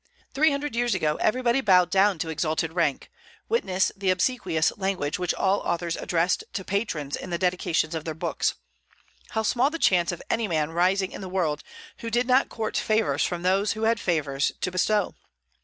Three hundred years ago everybody bowed down to exalted rank: witness the obsequious language which all authors addressed to patrons in the dedication of their books. How small the chance of any man rising in the world, who did not court favors from those who had favors to bestow!